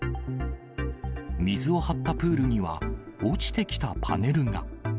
水を張ったプールには落ちてきたパネルが。